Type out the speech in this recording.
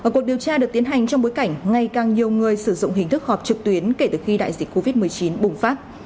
cuộc điều tra được tiến hành trong bối cảnh ngày càng nhiều người sử dụng hình thức họp trực tuyến kể từ khi đại dịch covid một mươi chín bùng phát